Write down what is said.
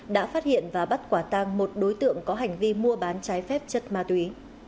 đã phát hiện và bắt quả tang một đối tượng có hành vi mua bán trái phép chất ma túy